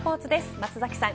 松崎さん